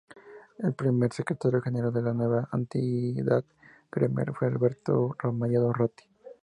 El primer Secretario General de la nueva entidad gremial fue Alberto Ramallo Ratti.